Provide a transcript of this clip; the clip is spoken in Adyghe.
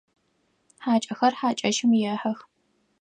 Хьакӏэхэр хьакӏэщым ехьэх.